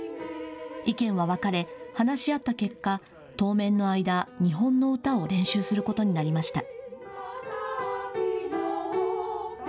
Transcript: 意見は分かれ話し合った結果、当面の間、日本の歌を練習することになりました。